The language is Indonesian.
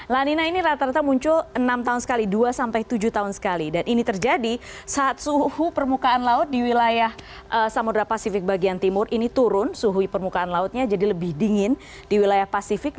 lanina ini rata rata muncul enam tahun sekali dua sampai tujuh tahun sekali dan ini terjadi saat suhu permukaan laut di wilayah samudera pasifik bagian timur ini turun suhu permukaan lautnya jadi lebih dingin di wilayah pasifik